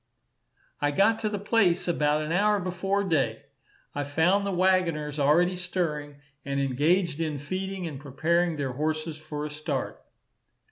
I got to the place about an hour before day. I found the waggoners already stirring, and engaged in feeding and preparing their horses for a start.